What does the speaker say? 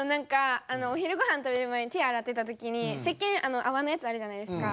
お昼ごはん食べる前に手あらってたときにせっけんあわのやつあるじゃないですか？